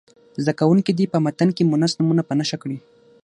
زده کوونکي دې په متن کې مونث نومونه په نښه کړي.